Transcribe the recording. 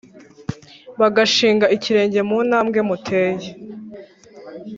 bagashinga ikirenge mu ntambwe muteye